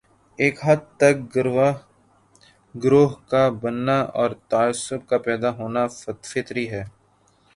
ایک حد تک گروہ کا بننا اور تعصب کا پیدا ہونا فطری ہے۔